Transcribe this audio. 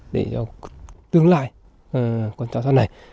để cho tương lai con trò xa này